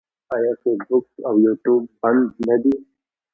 آیا فیسبوک او یوټیوب بند نه دي؟